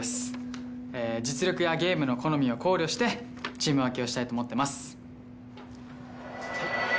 実力やゲームの好みを考慮してチーム分けをしたいと思ってます。